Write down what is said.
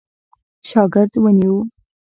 شاګرد ونیوی.